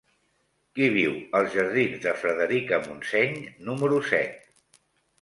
Qui viu als jardins de Frederica Montseny número set?